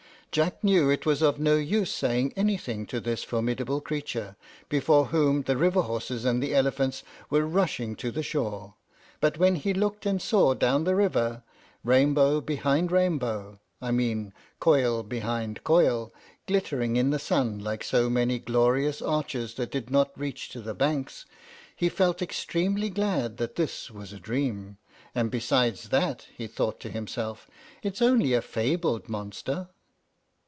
Jack knew it was of no use saying anything to this formidable creature, before whom the river horses and the elephants were rushing to the shore; but when he looked and saw down the river rainbow behind rainbow, I mean coil behind coil, glittering in the sun, like so many glorious arches that did not reach to the banks, he felt extremely glad that this was a dream, and besides that, he thought to himself, "It's only a fabled monster."